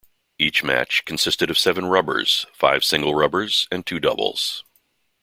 Each match consisted of seven 'rubbers': five singles rubbers and two doubles.